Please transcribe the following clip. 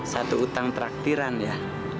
satu utang traktiran ya